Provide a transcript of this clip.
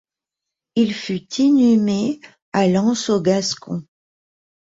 Il fut inhumé à l'Anse-aux-Gascons.